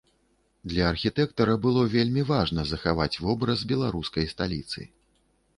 Для архітэктара было вельмі важна захаваць вобраз беларускай сталіцы.